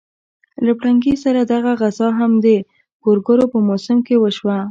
له پرنګي سره دغه غزا هم د ګورګورو په موسم کې وشوه.